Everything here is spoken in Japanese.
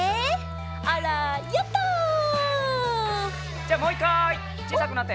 じゃあもう１かいちいさくなって。